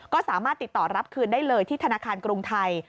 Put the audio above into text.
ก็สามารถติดต่อรับคืนได้เลยที่ธนาคารกรุงไทย